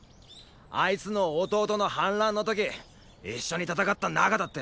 あいつの弟の反乱の時一緒に戦った仲だって。